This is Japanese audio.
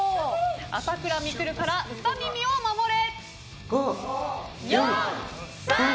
朝倉未来からウサ耳を守れ！